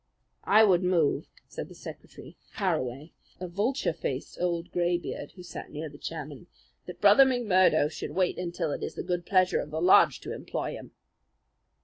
"I would move," said the secretary, Harraway, a vulture faced old graybeard who sat near the chairman, "that Brother McMurdo should wait until it is the good pleasure of the lodge to employ him."